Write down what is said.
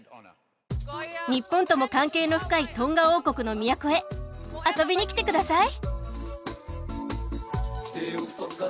日本とも関係の深いトンガ王国の都へ遊びに来てください！